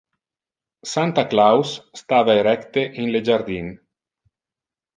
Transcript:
Santa Claus stava erecte in le jardin.